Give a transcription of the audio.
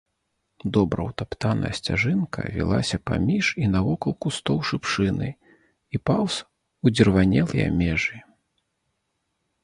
Добра ўтаптаная сцяжынка вілася паміж і навокал кустоў шыпшыны і паўз удзірванелыя межы.